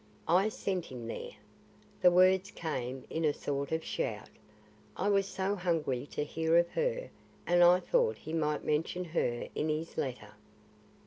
"I sent him there." The words came in a sort of shout. "I was so hungry to hear of her and I thought he might mention her in his letter.